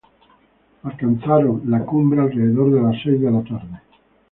Alcanzaron la cumbre alrededor de las seis de la tarde.